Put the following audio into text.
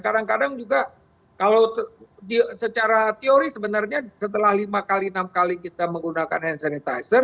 kadang kadang juga kalau secara teori sebenarnya setelah lima kali enam kali kita menggunakan hand sanitizer